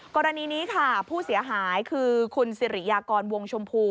กรณีนี้ค่ะผู้เสียหายคือคุณสิริยากรวงชมพู